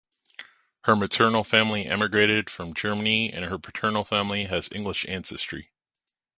Her maternal family emigrated from Germany, and her paternal family has English ancestry.